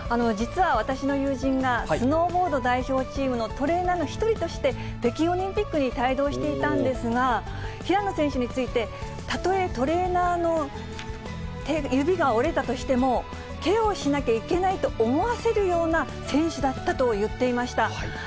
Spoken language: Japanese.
実は私の友人が、スノーボード代表チームのトレーナーの一人として、北京オリンピックに帯同していたんですが、平野選手について、たとえ、トレーナーの指が折れたとしても、ケアしなきゃいけないと思わせるような選手だったと言っていました。